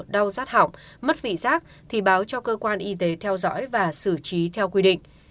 đau rát hỏng mất vị giác thì báo cho cơ quan y tế theo dõi và xử trí theo quy định